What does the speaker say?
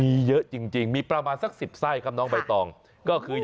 อารมณ์ของแม่ค้าอารมณ์การเสิรฟนั่งอยู่ตรงกลาง